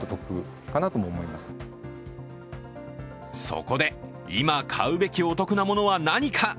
そこで今、買うべきお得なものは何か？